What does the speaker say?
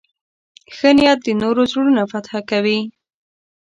ښه نیت د نورو زړونه فتح کوي.